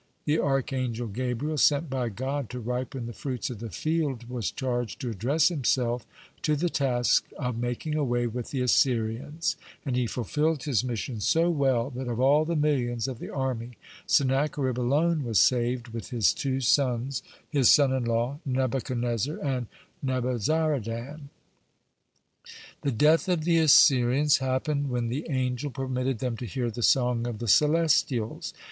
The archangel Gabriel (55) sent by God to ripen the fruits of the field, was charged to address himself to the task of making away with the Assyrians, and he fulfilled his mission so well that of all the millions of the army, Sennacherib alone was saved with his two sons, his son in law (56) Nebuchadnezzar, and Nebuzaradan. (57) The death of the Assyrians happened when the angel permitted them to hear the "song of the celestials."